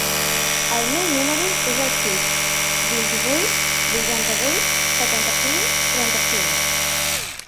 El meu número es el sis, vint-i-vuit, vuitanta-vuit, setanta-cinc, trenta-cinc.